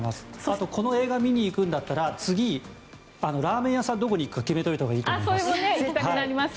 あと、この映画を見に行くんだったらラーメン屋さんどこに行くか決めておいたほうがいいです。